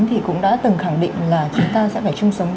thì cũng đã từng khẳng định là chúng ta sẽ phải chung sống